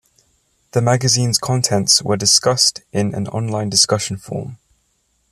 The magazine's contents are discussed in an online discussion forum.